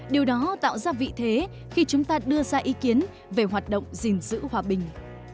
điều đó tạo ra vị thế khi chúng ta đưa ra ý kiến về hoạt động gìn giữ hòa bình